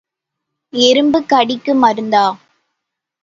எறும்புக் கடிக்கு மருந்தா?